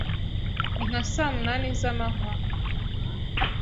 hari nka saa munani zamankwa ,